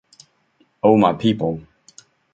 O my people!